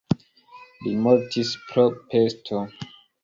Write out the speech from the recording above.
Li mortis pro pesto.